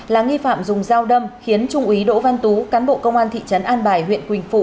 là nghi phạm dùng dao đâm khiến trung úy đỗ văn tú cán bộ công an thị trấn an bài huyện quỳnh phụ